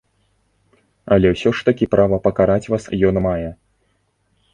Але ўсё ж такі права пакараць вас ён мае.